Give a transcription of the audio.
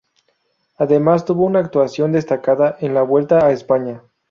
Además, tuvo una actuación destacada en la Vuelta a España.